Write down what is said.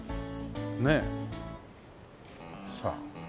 ねえ。さあ。